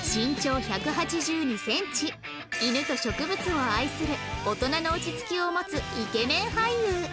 犬と植物を愛する大人の落ち着きを持つイケメン俳優